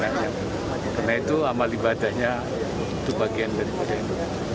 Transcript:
karena itu amal ibadahnya itu bagian daripada ibu